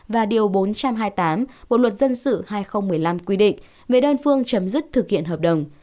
và điều bốn trăm hai mươi tám bộ luật dân sự hai nghìn một mươi năm quy định về đơn phương chấm dứt thực hiện hợp đồng